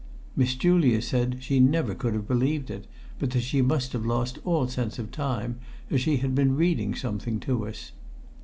Miss Julia said she never could have believed it, but that she must have lost all sense of time, as she had been reading something to us.